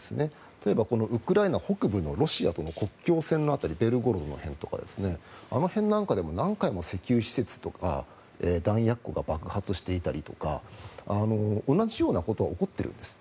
例えばウクライナ北部のロシアとの国境線の辺りベルゴロドのほうとかあの辺なんかでも何回も石油施設とか弾薬庫が爆発していたりとか同じようなことは起こっているんです。